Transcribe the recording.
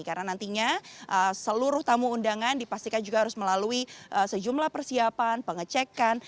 karena nantinya seluruh tamu undangan dipastikan juga harus melalui sejumlah persiapan pengecekan